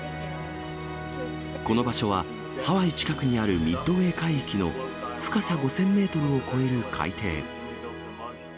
この場所は、ハワイ近くにあるミッドウェー海域の深さ５０００メートルを超える海底。